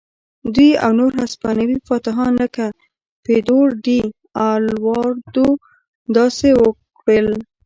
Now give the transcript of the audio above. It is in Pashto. دوی او نور هسپانوي فاتحان لکه پیدرو ډي الواردو داسې وکړل.